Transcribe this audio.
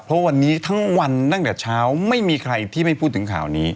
เพราะวันนี้ทั้งวันตั้งแต่เช้าไม่มีใครที่ไม่พูดถึงข่าวนี้